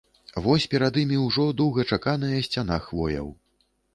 Вось перад імі ўжо доўгачаканая сцяна хвояў.